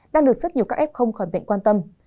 đang được rất nhiều các f không khỏi bệnh quan tâm